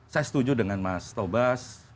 saya setuju dengan mas tobas